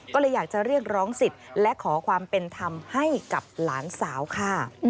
ก็เลยอยากจะเรียกร้องสิทธิ์และขอความเป็นธรรมให้กับหลานสาวค่ะ